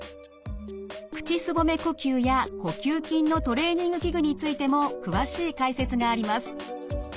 口すぼめ呼吸や呼吸筋のトレーニング器具についても詳しい解説があります。